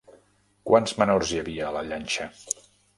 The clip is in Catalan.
Quants menors hi havia a la llanxa?